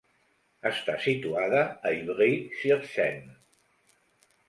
Està situada a Ivry-sur-Seine.